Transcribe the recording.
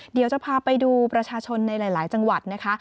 เดี๋ยวจะพาไปดูประชาชนในหลายจังหวัดนะคะ